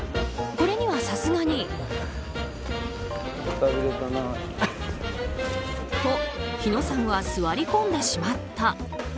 これには、さすがに。と、火野さんは座り込んでしまった。